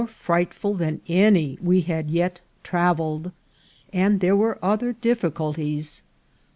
frightful than any we had yet travelled ; and there were other difficulties.